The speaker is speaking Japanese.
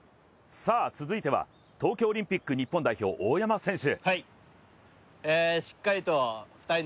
続いては東京オリンピック日本代表大山選手。